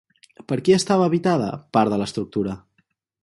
Per qui estava habitada part de l'estructura?